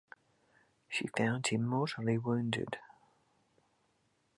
She found him mortally wounded.